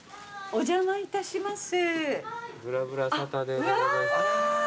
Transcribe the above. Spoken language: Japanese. お邪魔いたします。